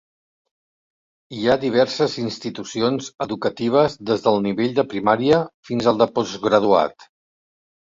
Hi ha diverses institucions educatives des del nivell de primària fins al de postgraduat.